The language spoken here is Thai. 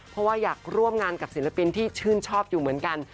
เพราะว่าอยากร่วมงานกับศิลปินที่ชื่นชอบอยู่เหมือนกัน